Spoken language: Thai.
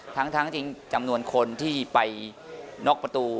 ทั้งจำนวนคนที่ไปน็อกประตู